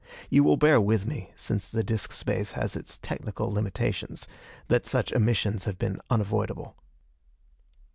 You will bear with me, since the disc space has its technical limitations, that such omissions have been unavoidable.